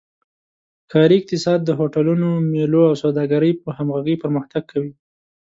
ښاري اقتصاد د هوټلونو، میلو او سوداګرۍ په همغږۍ پرمختګ کوي.